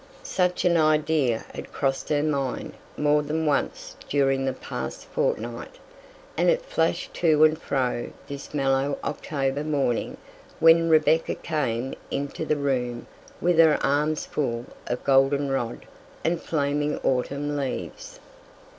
Such an idea had crossed her mind more than once during the past fortnight, and it flashed to and fro this mellow October morning when Rebecca came into the room with her arms full of goldenrod and flaming autumn leaves.